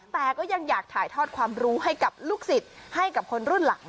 แต่ก็ยังอยากถ่ายทอดความรู้ให้กับลูกศิษย์ให้กับคนรุ่นหลัง